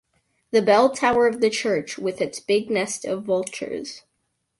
The bell tower of the church with its big nest of vultures.